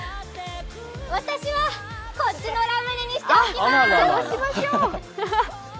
私はこっちのラムネにしておきます。